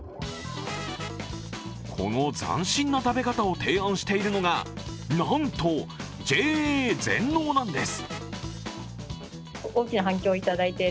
この斬新な食べ方を提案しているのが、なんとＪＡ全農なんです。